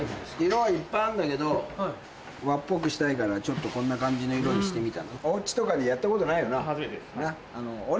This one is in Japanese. ・色はいっぱいあるんだけど和っぽくしたいからこんな感じの色にしてみた。